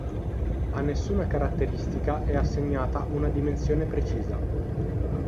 A nessuna caratteristica è assegnata una dimensione precisa.